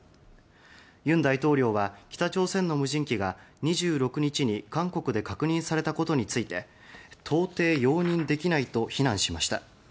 尹大統領は、北朝鮮の無人機が２６日に韓国で確認されたことについて到底容認できないと非難しました。